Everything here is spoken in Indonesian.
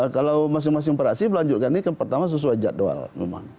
kalau masing masing praksi melanjutkan ini kan pertama sesuai jadwal memang